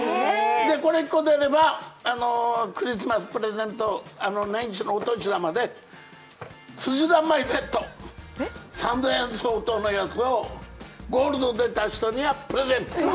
これ１個出れば、クリスマスプレゼント、年始のお年玉ですしざんまいセット、３０００円相当のやつをゴールド出た人にはプレゼント！